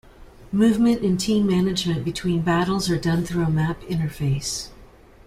Movement and team management between battles are done through a map interface.